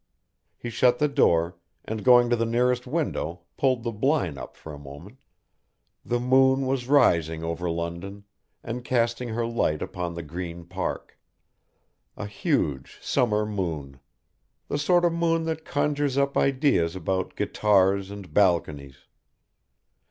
He shut the door, and going to the nearest window pulled the blind up for a moment. The moon was rising over London, and casting her light upon the Green Park. A huge summer moon. The sort of moon that conjures up ideas about guitars and balconies.